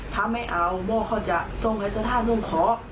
ถ้าไม่เอาหมอเขาจะทรงไฮซาธาตรงขอ